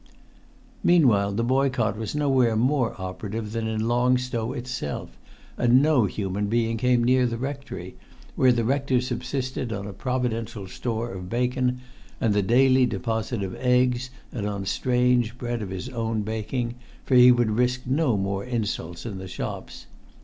Meanwhile the boycott was nowhere more operative than in Long Stow itself, and no human being came near the rectory, where the rector subsisted on a providential store of bacon and the daily deposit of eggs, and on strange bread of his own baking, for he would risk no more insults in the shops.